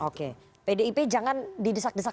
oke pdip jangan didesak desak